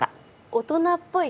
大人っぽい。